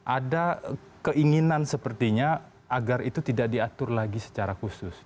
ada keinginan sepertinya agar itu tidak diatur lagi secara khusus